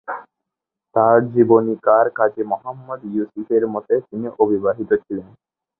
তার জীবনীকার কাজি মুহাম্মদ ইউসুফের মতে তিনি অবিবাহিত ছিলেন।